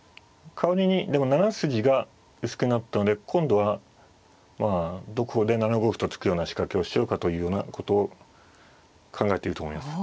代わりにでも７筋が薄くなったので今度はまあどこで７五歩と突くような仕掛けをしようかというようなことを考えていると思います。